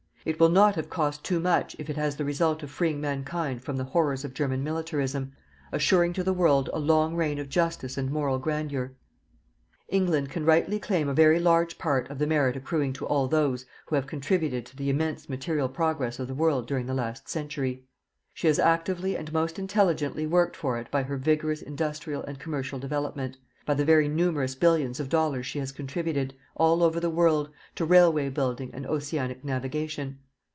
It will not have cost too much if it has the result of freeing Mankind from the horrors of German militarism, assuring to the world a long reign of justice and moral grandeur. England can rightly claim a very large part of the merit accruing to all those who have contributed to the immense material progress of the world during the last century. She has actively and most intelligently worked for it by her vigorous industrial and commercial development, by the very numerous billions of dollars she has contributed, all over the world, to railway building and oceanic navigation.